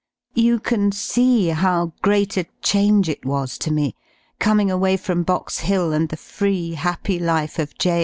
^^ You can see how great a change it was to me, coming 1^ (\^ away from Box Hill and the free happy life of J.